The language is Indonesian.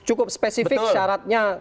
untuk spesifik syaratnya